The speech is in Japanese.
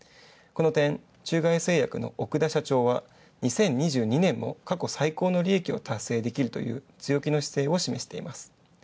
この点、中外製薬の奥田社長は２０２２年も、過去最高の利益を達成できるという強気の姿勢を示しています。